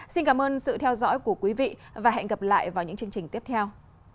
xin cảm ơn sự theo dõi của quý vị và hẹn gặp lại vào những chương trình tiếp theo